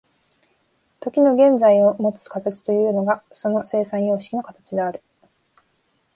時の現在のもつ形というのがその生産様式の形である。